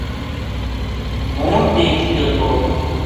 ہونٹ بے چریو تھو